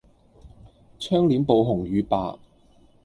窗簾布紅與白